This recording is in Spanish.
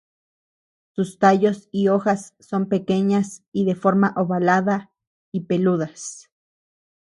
Sus tallos y hojas son pequeñas y de forma ovalada, y peludas.